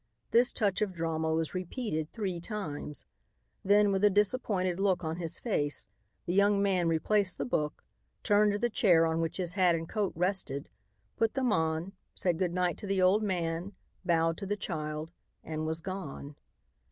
This touch of drama was repeated three times. Then, with a disappointed look on his face, the young man replaced the book, turned to the chair on which his hat and coat rested, put them on, said good night to the old man, bowed to the child and was gone.